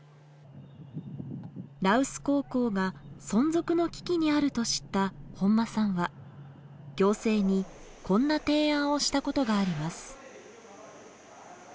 羅臼高校が存続の危機にあると知った本間さんは行政にこんな提案をしたことがあります。